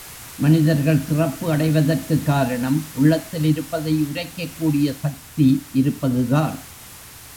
மனிதர்கள் சிறப்பு அடைவதற்குக் காரணம் உள்ளத்தில் இருப்பதை உரைக்கக் கூடிய சக்தி இருப்பதுதான்.